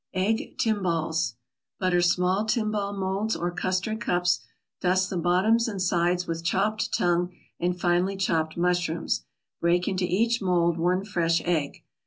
EGG TIMBALES Butter small timbale molds or custard cups, dust the bottoms and sides with chopped tongue and finely chopped mushrooms. Break into each mold one fresh egg.